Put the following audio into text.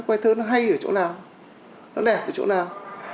các bài thơ nó hay ở chỗ nào nó đẹp ở chỗ nào